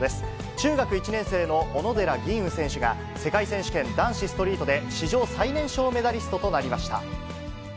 中学１年生の小野寺吟雲選手が、世界選手権男子ストリートで史上最年少メダリストとなりました。